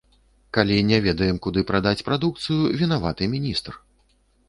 Калі не ведаем, куды прадаць прадукцыю, вінаваты міністр.